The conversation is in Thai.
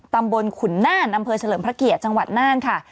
ตำบลขุนน่านอำเภอเฉลิมพระเกียรติจังหวัดน่านค่ะ